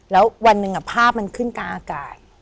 แล้ววันหนึ่งภาพมันขึ้นกลางอากาศ